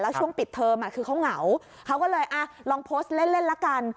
ช่วงปิดเทอมคือเขาเหงาเขาก็เลยอ่ะลองโพสต์เล่นเล่นละกัน